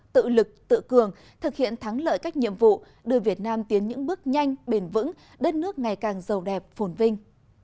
tự lực tự cường thực hiện thắng lợi các nhiệm vụ đưa việt nam tiến những bước nhanh bền vững đất nước ngày càng giàu đẹp phồn vinh